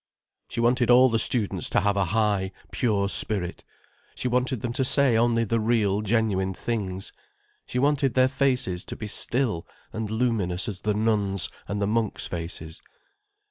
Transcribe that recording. She wanted all the students to have a high, pure spirit, she wanted them to say only the real, genuine things, she wanted their faces to be still and luminous as the nuns' and the monks' faces.